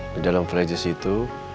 di dalam flash disk itu